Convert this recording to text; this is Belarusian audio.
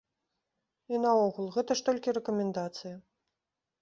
І наогул, гэта ж толькі рэкамендацыя.